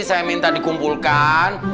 saya minta dikumpulkan